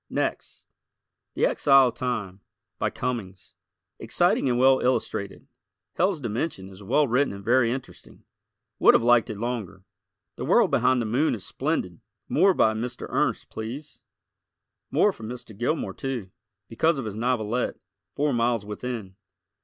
Next: "The Exile of Time," by Cummings. Exciting and well illustrated. "Hell's Dimension" is well written and very interesting. Would have liked it longer. "The World Behind the Moon" is splendid. More by Mr. Ernst, please. More from Mr. Gilmore, too, because of his novelette, "Four Miles Within."